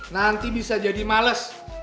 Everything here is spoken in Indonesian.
nanti bisa jadi males